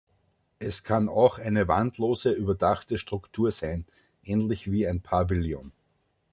Es kann auch eine wandlose, überdachte Struktur sein, ähnlich wie ein Pavillon.